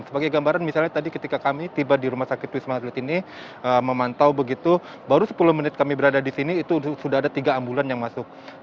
dan sebagai gambaran misalnya tadi ketika kami tiba di rumah sakit wisma atlet ini memantau begitu baru sepuluh menit kami berada di sini itu sudah ada tiga ambulan yang masuk